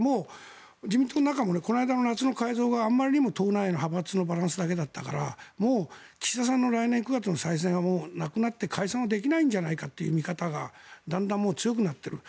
自民党の中もこの間の夏の改造があまりにも党内の派閥のバランスだけだったからもう岸田さんの来年９月の再選はなくなって解散はできないんじゃないかという見方がだんだん強くなってる。